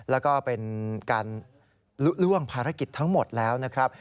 แล้วก็เป็นการลุล่วงภารกิจทั้งหมดแล้วนะครับ